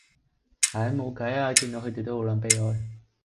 唉，冇計呀，見到佢哋都好撚悲哀